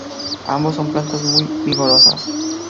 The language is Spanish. Ambos son plantas muy vigorosas.